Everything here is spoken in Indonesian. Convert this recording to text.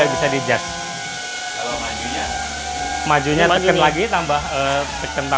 tekan dan tekan observed